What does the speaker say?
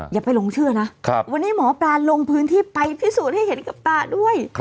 อย่าไปหลงเชื่อนะวันนี้หมอปลาลงพื้นที่ไปพิสูจน์ให้เห็นกับตาด้วย